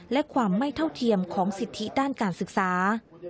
และความไม่เท่าเทียมของสิทธิด้านการศึกษา